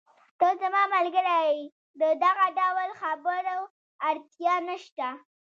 ته زما ملګری یې، د دغه ډول خبرو اړتیا نشته.